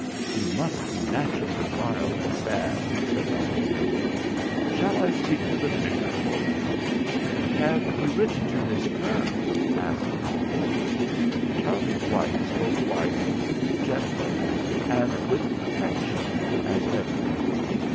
"He must be naturally wild and bad," said Uncle Henry. "Shall I speak to the Vicar for you?" "Have you written to his firm?" asked Aunt. Charlie's wife spoke wisely, gently, and with perfection as ever.